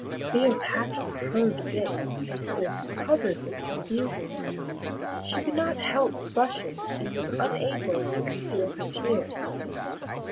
Cleopatra heard this, and stood covered with confusion; she could not help blushing, and was unable to conceal her tears.